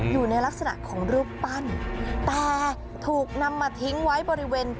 อยู่ในลักษณะของรูปปั้นแต่ถูกนำมาทิ้งไว้บริเวณ